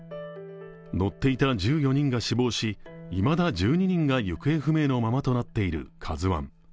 乗っていた１４人が死亡しいまだ１２人が行方不明のままとなっている「ＫＡＺＵⅠ」。